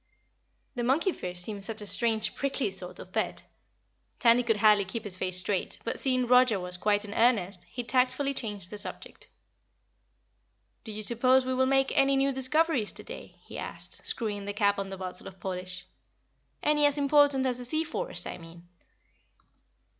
The monkey fish seemed such a strange prickly sort of pet, Tandy could hardly keep his face straight, but seeing Roger was quite in earnest, he tactfully changed the subject. "Do you suppose we'll make any new discoveries today?" he asked, screwing the cap on the bottle of polish. "Any as important as the sea forest, I mean?"